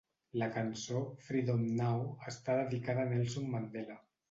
La cançó "Freedom Now" està dedicada a Nelson Mandela.